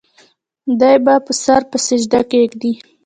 دے به سر پۀ سجده کيږدي